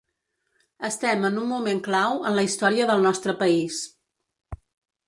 Estem en un moment clau en la història del nostre país.